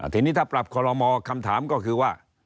ทีนี้ถ้าปรับคอลโลมอคำถามก็คือว่า